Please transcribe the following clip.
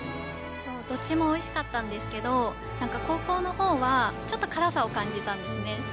どっちもおいしかったんですけど何か後攻の方はちょっと辛さを感じたんですね。